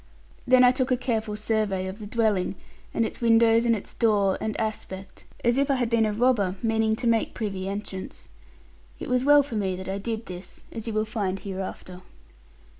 Then I took a careful survey of the dwelling, and its windows, and its door, and aspect, as if I had been a robber meaning to make privy entrance. It was well for me that I did this, as you will find hereafter.